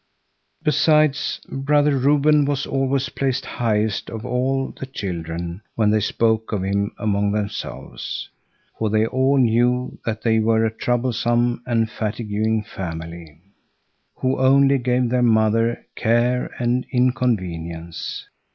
Besides, Brother Reuben was always placed highest of all the children when they spoke of him among themselves. For they all knew that they were a troublesome and fatiguing family, who only gave their mother care and inconvenience.